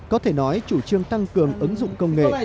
có thể nói chủ trương tăng cường ứng dụng công nghệ